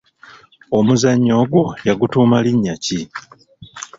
Omuzannyo ogwo yagutuuma linnya ki?